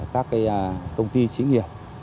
các công ty chính nghiệp